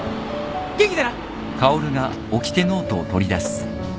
元気でな。